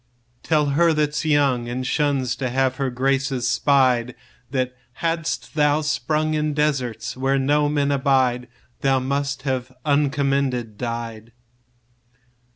5 Tell her that 's young, And shuns to have her graces spied, That hadst thou sprung In deserts where no men abide, Thou must have uncommended died.